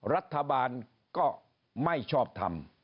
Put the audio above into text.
รัฐบาลก็ไม่ชอบทำ